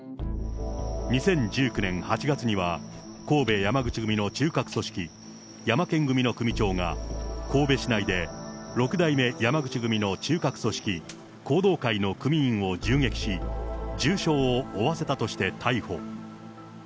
２０１９年８月には、神戸山口組の中核組織、山健組の組長が、神戸市内で６代目山口組の中核組織、弘道会の組員を銃撃し、重傷を負わせたとして逮捕。